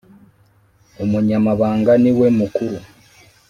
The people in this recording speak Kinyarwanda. Umunyamabanga niwe mukuru.